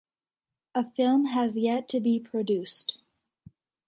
A film has yet to be produced.